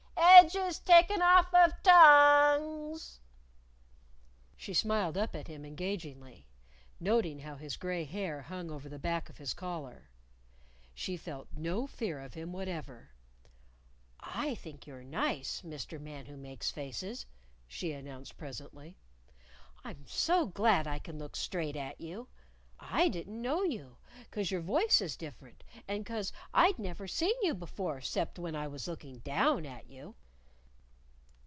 Edges taken off of tongues!" She smiled up at him engagingly, noting how his gray hair hung over the back of his collar. She felt no fear of him whatever. "I think you're nice, Mr. Man Who Makes Faces," she announced presently. "I'm so glad I can look straight at you. I didn't know you, 'cause your voice is different, and 'cause I'd never seen you before 'cept when I was looking down at you."